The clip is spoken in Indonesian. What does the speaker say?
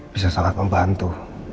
bisa sangat membantu